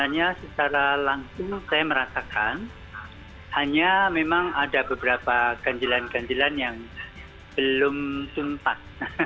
sebenarnya secara langsung saya merasakan hanya memang ada beberapa ganjilan ganjilan yang belum tuntas